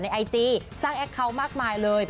ไอจีสร้างแอคเคาน์มากมายเลย